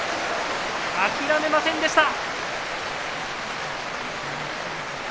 諦めませんでした。